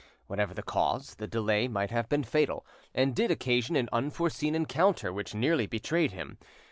Whatever the cause, the delay might have been fatal, and did occasion an unforeseen encounter which nearly betrayed him.